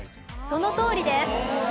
そのとおりです。